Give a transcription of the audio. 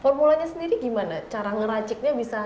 formulanya sendiri gimana cara ngeraciknya bisa